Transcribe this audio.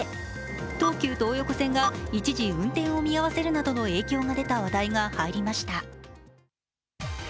東急東横線が一時運転を見合わせるなどの影響が出た話題が入りました。